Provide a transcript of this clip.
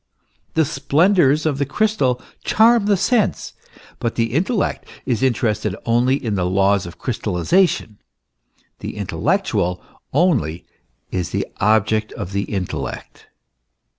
The splendours of the crystal charm the sense ; but the intellect is interested only in the laws of crystallization. The intellectual only is the object of the intellect.